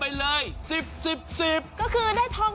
อ่ะแล้ว๑๐ที่ว่าคือ๑๐อะไรล่ะคะ